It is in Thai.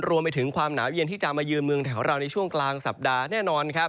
รวมไปถึงความหนาวเย็นที่จะมายืนเมืองแถวเราในช่วงกลางสัปดาห์แน่นอนครับ